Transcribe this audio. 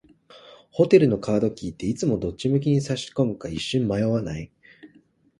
ホテルのカードキーって、いつもどっち向きに差し込むか一瞬迷わない？